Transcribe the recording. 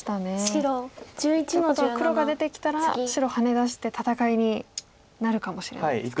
ということは黒が出てきたら白ハネ出して戦いになるかもしれないですか。